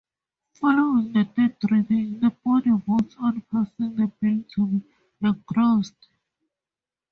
Following the third reading, the body votes on passing the bill to be engrossed.